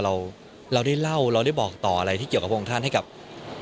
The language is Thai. ต่ออะไรที่มีกระตูกให้คนต่างชาติ